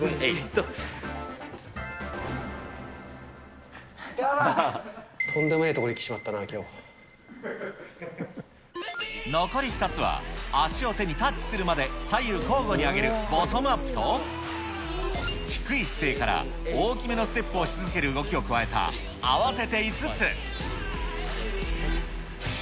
とんでもない所に来残り２つは、足を手にタッチするまで、左右交互に上げるボトムアップと、低い姿勢から大きめのステップをし続ける動きを加えた合わせて５つ。